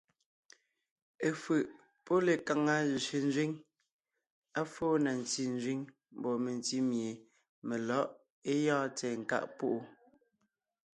Efʉ̀ʼ pɔ́ lekaŋa zẅénzẅíŋ, à fó na ntí nzẅíŋ mbɔɔ mentí mie melɔ̌ʼ é gyɔ́ɔn tsɛ̀ɛ nkáʼ púʼu.